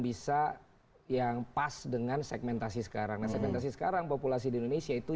bisa yang pas dengan segmentasi sekarang nah segmentasi sekarang populasi di indonesia itu